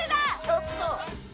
ちょっと！